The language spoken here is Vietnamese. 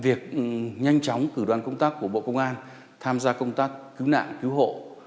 việc nhanh chóng cử đoàn công tác của bộ công an tham gia công tác cứu nạn cứu hộ